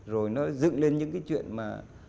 rồi nó dựng lên những cái chuyện mà